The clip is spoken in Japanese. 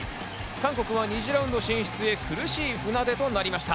韓国は２次ラウンド進出へ苦しい船出となりました。